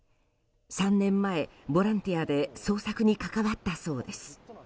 ３年前、ボランティアで捜索に関わったそうです。